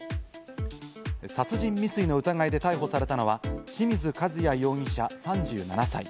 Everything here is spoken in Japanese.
殺人未遂の疑いで逮捕されたのは、清水和也容疑者、３７歳。